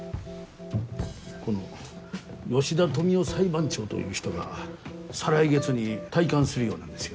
この吉田富雄裁判長という人が再来月に退官するようなんですよ。